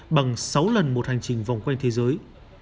bằng sáu lần một hành trình vòng quanh thế giới